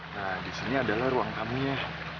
nah disini adalah ruang tamunya